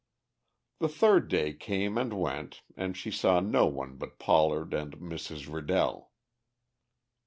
The third day came and went and she saw no one but Pollard and Mrs. Riddell.